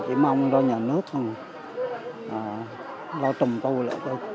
chỉ mong do nhà nước do trùng tù